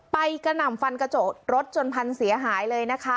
กระหน่ำฟันกระจกรถจนพังเสียหายเลยนะคะ